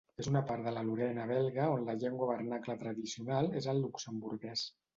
És una part de la Lorena belga on la llengua vernacla tradicional és el luxemburguès.